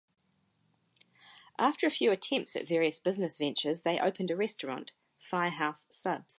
After a few attempts at various business ventures they opened a restaurant, Firehouse Subs.